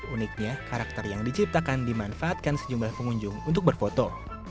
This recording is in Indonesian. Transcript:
uniknya karakter yang diciptakan dimanfaatkan sejumlah pengunjung untuk berfoto